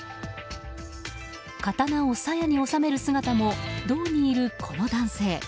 刀をさやに収める姿も堂に入るこの男性。